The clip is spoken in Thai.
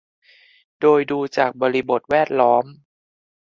โดยดูจากบริบทแวดล้อม